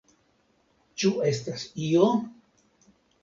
Ĉu estas io?